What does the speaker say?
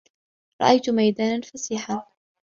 رَأَيْتِ مَيْدَانًا فَسِيحًا.